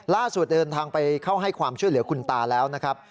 เดินทางไปเข้าให้ความช่วยเหลือคุณตาแล้วนะครับ